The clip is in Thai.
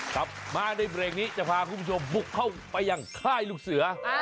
กลับมาในเบรกนี้จะพาคุณผู้ชมบุกเข้าไปอย่างค่ายลูกเสือ